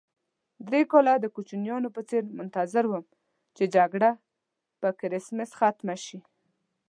درې کاله د کوچنیانو په څېر منتظر وم چې جګړه په کرېسمس ختمه شي.